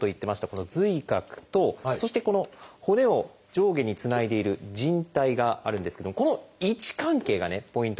この髄核とそしてこの骨を上下につないでいる靭帯があるんですけどもこの位置関係がねポイントになります。